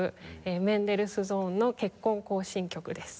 メンデルスゾーンの『結婚行進曲』です。